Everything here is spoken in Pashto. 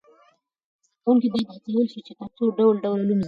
زده کوونکي باید و هڅول سي تر څو ډول ډول علوم زده کړي.